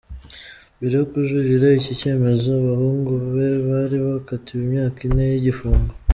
Mbere yo kujuririra iki cyemezo, abahungu be bari bakatiwe imyaka ine y’igifungo.